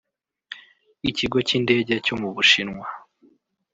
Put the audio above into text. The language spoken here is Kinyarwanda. Ikigo cy’Indege cyo mu Bushinwa